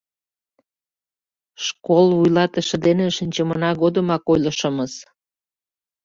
— Школ вуйлатыше дене шинчымына годымак ойлышымыс.